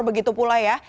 begitu pula ya